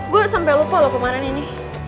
gue sampai lupa loh kemarin ini